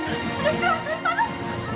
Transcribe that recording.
ya ampun pak nur